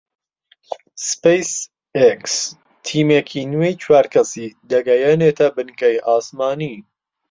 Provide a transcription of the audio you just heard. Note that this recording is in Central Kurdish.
سپەیس ئێکس تیمێکی نوێی چوار کەسی دەگەیەنێتە بنکەی ئاسمانی